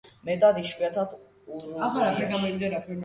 მეტად იშვიათად ურუგვაიში.